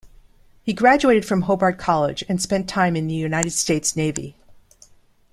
He graduated from Hobart College and spent time in the United States Navy.